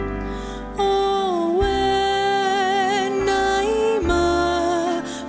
โตแหวนไหนมา